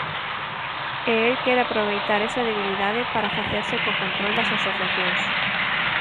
E el quere aproveitar esa debilidade para facerse co control das asociacións.